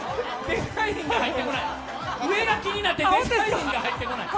上が気になって、デザインが入ってこない。